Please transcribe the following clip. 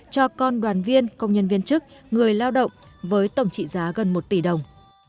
cho con đoàn viên công nhân viên chức người lao động với tổng trị giá gần một tỷ đồng